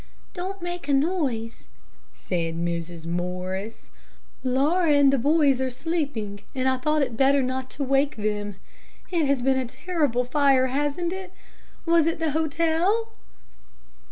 "Don't make a noise," said Mrs. Morris. "Laura and the boys are sleeping, and I thought it better not to wake them. It has been a terrible fire, hasn't it? Was it the hotel?"